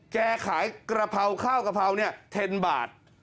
แกขายกระเพราข้าวกะเพราเนี่ยเทนบาท